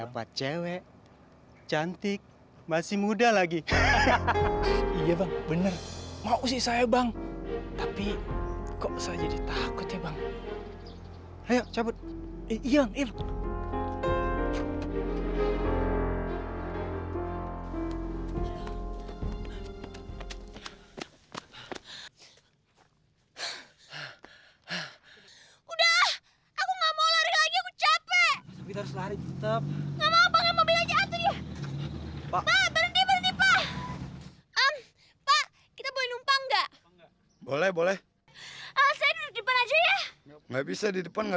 pak pak kita boleh numpang enggak boleh boleh saya di depan aja ya nggak bisa di depan nggak